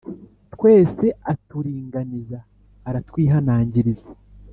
twese aturinganiza aratwihanangiriza